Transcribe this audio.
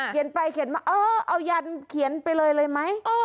เขียนไปเขียนมาเออเอายันเขียนไปเลยเลยไหม